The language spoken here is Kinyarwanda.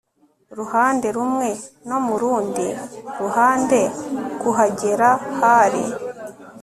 ruhande rumwe no mu rundi ruhande kuhagera hari